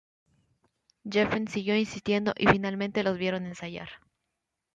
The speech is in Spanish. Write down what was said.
Geffen siguió insistiendo y finalmente los vieron ensayar.